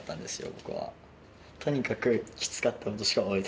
僕は。